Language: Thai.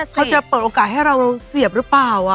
เขาจะเปิดโอกาสให้เราเสียบหรือเปล่า